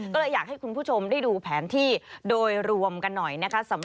ก็เลยอยากให้คุณผู้ชมได้ดูแผนที่โดยรวมกันหน่อยนะคะ